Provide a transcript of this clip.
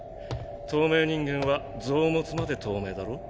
透明人間は臓物まで透明だろ？